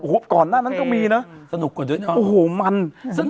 โอ้โหก่อนหน้านั้นก็มีน่ะสนุกกว่าด้วยโอ้โหมันสนุกเยอะ